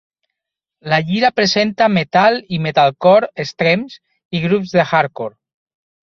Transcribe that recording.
La gira presenta metal i metalcore extrems i grups de hardcore.